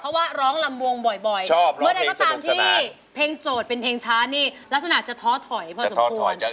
เพราะว่าร้องลำวงบ่อยเมื่อใดก็ตามที่เพลงโจทย์เป็นเพลงช้านี่ลักษณะจะท้อถอยพอสมควร